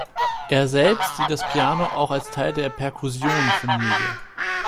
Er selbst sieht das Piano auch „als Teil der Percussion-Familie“.